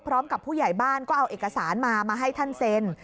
พร้อมกับผู้ใหญ่บ้านก็เอาเอกสารมามาให้ท่านเซน